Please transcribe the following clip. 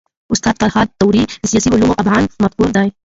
استاد فرهاد داوري د سياسي علومو افغان مفکر دی.